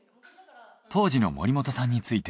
当時の森本さんについて。